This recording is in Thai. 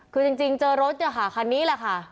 คือจริงเจอรถเนี่ยค่ะคันนี้แหละค่ะ